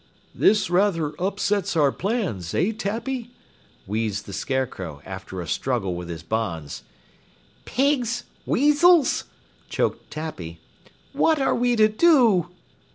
"This rather upsets our plans, eh Tappy?" wheezed the Scarecrow after a struggle with his bonds. "Pigs! Weasels!" choked Tappy. "What are we to do?"